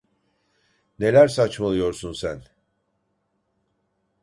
Neler saçmalıyorsun sen?